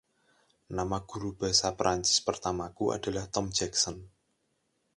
Nama guru bahasa Prancis pertamaku adalah Tom Jackson.